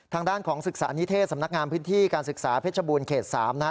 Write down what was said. ทางด้านของศึกษานิเทศสำนักงานพื้นที่การศึกษาเพชรบูรณเขต๓นะฮะ